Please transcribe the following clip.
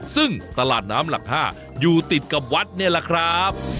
ซึ่งตลาดน้ำหลัก๕อยู่ติดกับวัดนี่แหละครับ